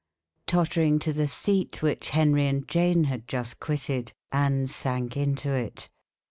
Tottering to the seat which Henry and Jane had just quitted, Anne sank into it.